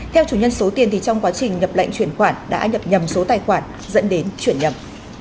theo chủ nhân số tiền trong quá trình nhập lệnh chuyển khoản đã nhập nhầm số tài khoản dẫn đến chuyển nhầm